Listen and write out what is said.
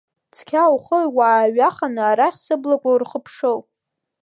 Цқьа ухы уааҩаханы арахь сыблақәа урхыԥшыл!